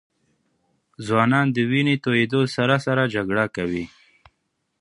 ځوانان د وینې د تویېدو سره سره جګړه کوي.